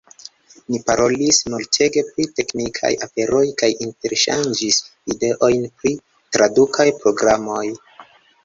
Ni parolis multege pri teknikaj aferoj kaj interŝanĝis ideojn pri tradukaj programoj.